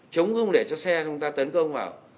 chống không để cho xe chúng ta tấn công vào